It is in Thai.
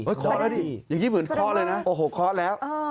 เฮ้ยคอร์สแล้วดีอย่างนี้เหมือนคอร์สเลยนะโอ้โหคอร์สแล้ว